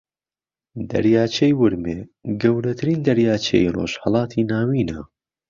دەریاچەی ورمێ گەورەترین دەریاچەی ڕۆژھەڵاتی ناوینە